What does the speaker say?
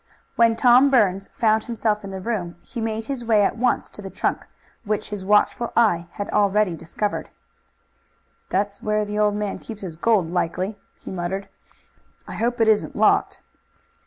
When Tom Burns found himself in the room he made his way at once to the trunk, which his watchful eye had already discovered. "That's where the old man keeps his gold, likely," he muttered. "I hope it isn't locked."